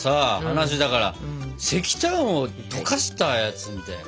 話だから石炭を溶かしたやつみたいな。